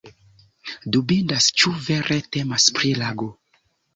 Dubindas ĉu vere temas pri lago.